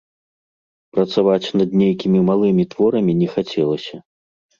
Працаваць над нейкімі малымі творамі не хацелася.